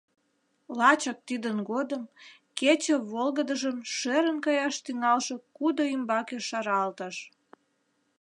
Лачак тидын годым кече волгыдыжым шӧрын каяш тӱҥалше кудо ӱмбаке шаралтыш.